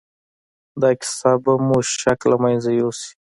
دا کيسه به مو شک له منځه يوسي.